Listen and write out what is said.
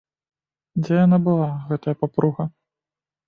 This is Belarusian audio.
Дзе яна была, гэтая папруга?